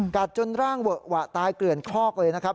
จนร่างเวอะหวะตายเกลื่อนคอกเลยนะครับ